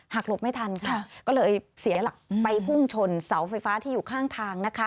หลบไม่ทันค่ะก็เลยเสียหลักไปพุ่งชนเสาไฟฟ้าที่อยู่ข้างทางนะคะ